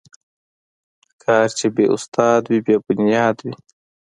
کار چې بې استاد وي، بې بنیاد وي.